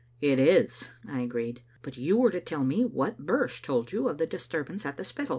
" "It is," I agreed; "but you were to tell me what Birse told you of the disturbance at the Spittal."